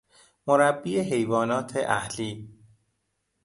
مربی حیوانات اهلی